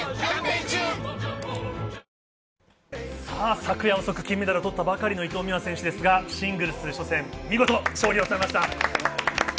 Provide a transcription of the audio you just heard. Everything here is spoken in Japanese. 昨夜遅く、金メダルを取ったばかりの伊藤美誠選手ですがシングルス初戦、見事勝利収めました。